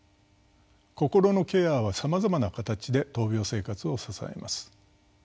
心のケアはさまざまな形で闘病生活を支えます。